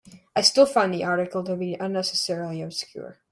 I still find the article to be unnecessarily obscure.